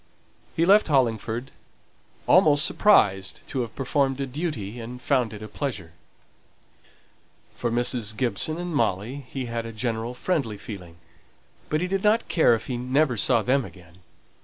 He left Hollingford, almost surprised to have performed a duty, and found it a pleasure. For Mrs. Gibson and Molly he had a general friendly feeling; but he did not care if he never saw them again.